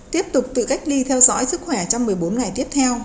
tiếp tục tự cách ly theo dõi sức khỏe trong một mươi bốn ngày tiếp theo